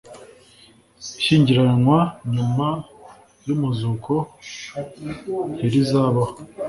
ishyingiranwa nyuma y’ umuzuko ntirizabaho